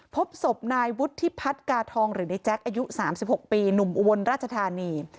พบศพนายวุฒิพัฒน์กาทองหรือในแจ๊คอายุ๓๖ปีหนุ่มอุบลราชธานี